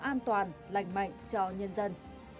an toàn lạnh mạnh cho nhân dân